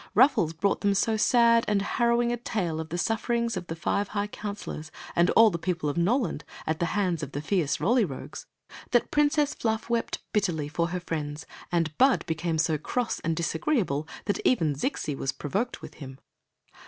Ruffles brought to them so sad and harrowing a tale of the sufferings of the five high counselors and all the people of Noland at the hands of the fierce tn Queen Zixi of Ix; or, the Roly Rogues, that Princess Fluff wept bitterly for her friends, and Bud became so cross and disagree able that even Zixi was provoked with him.